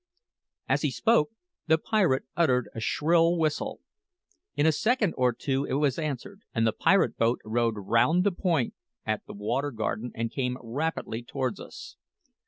As he spoke, the pirate uttered a shrill whistle. In a second or two it was answered, and the pirate boat rowed round the point at the Water Garden and came rapidly towards us.